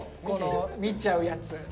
この見ちゃうやつ。